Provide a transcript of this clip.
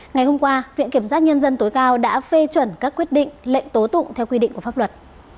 ngày hôm qua viện kiểm sát nhân dân tối cao đã phê chuẩn các quyết định lệnh tố tụng theo quy định của pháp luật